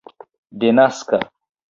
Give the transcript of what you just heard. denaska